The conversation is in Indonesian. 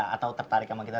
atau tertarik sama kita